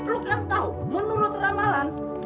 lo kan tau menurut ramalan